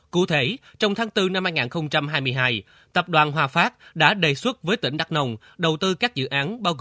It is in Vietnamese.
cụ thể trong tháng bốn năm hai nghìn hai mươi hai tập đoàn hòa phát đã đề xuất với tỉnh đắk nông đầu tư các dự án bao gồm